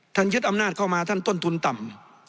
ยึดอำนาจเข้ามาท่านต้นทุนต่ำ